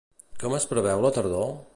Com es preveu la tardor?